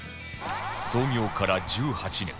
創業から１８年